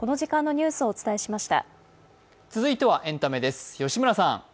続いてはエンタメです。